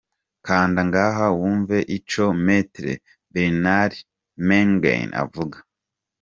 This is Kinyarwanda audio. Kanda ngaha wumve ico Maitre Bernard Maingain avuga.